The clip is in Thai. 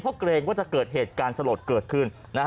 เพราะเกรงว่าจะเกิดเหตุการณ์สลดเกิดขึ้น